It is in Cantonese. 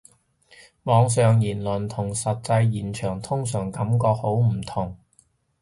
網上言論同實際現場通常感覺好唔同